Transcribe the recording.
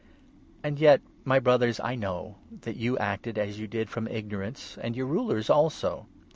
And yet, my Brothers, I know that you acted as you did 17 from ignorance, and your rulers also.